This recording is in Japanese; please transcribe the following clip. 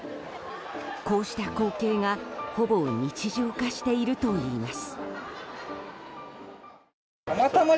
こうした光景がほぼ日常化しているといいます。